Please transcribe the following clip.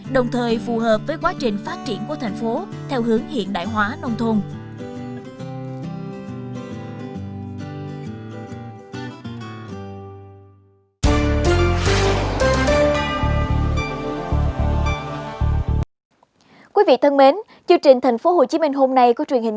đồng thời phù hợp với quá trình phát triển của thành phố theo hướng hiện đại hóa nông thôn